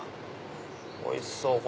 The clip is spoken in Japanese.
おいしそう！